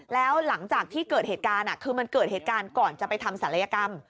แล้วหลังจากที่เกิดเหตุการณ์คือมันเกิดเหตุการณ์ก่อนจะไปทำศัลยกรรม